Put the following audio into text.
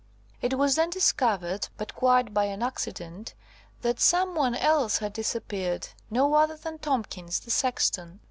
It was then discovered, but quite by an accident, that some one else had disappeared–no other than Tomkins, the sexton.